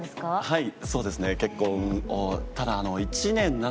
はい。